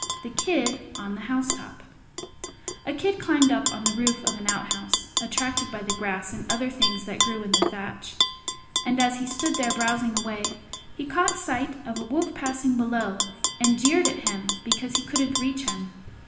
THE KID ON THE HOUSETOP A Kid climbed up on to the roof of an outhouse, attracted by the grass and other things that grew in the thatch; and as he stood there browsing away, he caught sight of a Wolf passing below, and jeered at him because he couldn't reach him.